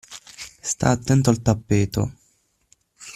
Sta' attento al tappeto.